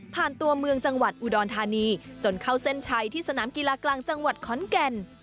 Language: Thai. ตัวเมืองจังหวัดอุดรธานีจนเข้าเส้นชัยที่สนามกีฬากลางจังหวัดขอนแก่น